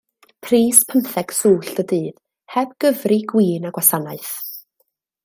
Pris pymtheg swllt y dydd, heb gyfri gwin a gwasanaeth.